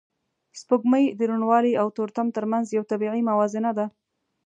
سپوږمۍ د روڼوالی او تورتم تر منځ یو طبیعي موازنه ده